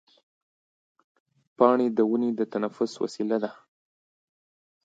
پاڼې د ونې د تنفس وسیله ده.